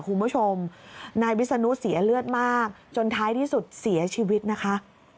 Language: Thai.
คุณผู้ชมนายวิศนุเสียเลือดมากจนท้ายที่สุดเสียชีวิตนะคะ